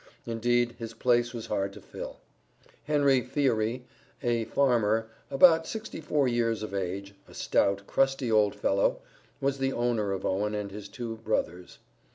Indeed his place was hard to fill. Henry Fiery, a farmer, "about sixty four years of age, a stout, crusty old fellow," was the owner of Owen and his two brothers.